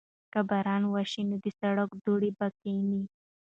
که باران وشي نو د سړک دوړې به کښېني.